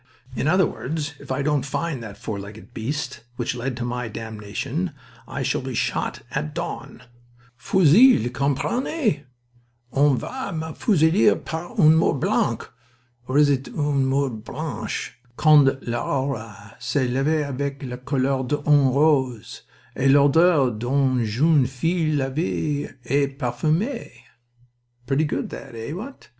In other words, if I don't find that four legged beast which led to my damnation I shall be shot at dawn. Fusille, comprenez? On va me fusiller par un mur blanc or is it une mure blanche? quand l'aurore se leve avec les couleurs d'une rose et l'odeur d'une jeune fille lavee et parfumee. Pretty good that, eh, what?